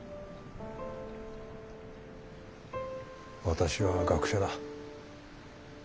私は学者だ。